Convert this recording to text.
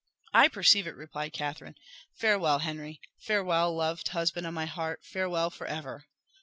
"I perceive it," replied Catherine. "Farewell, Henry farewell, loved husband of my heart farewell for ever!"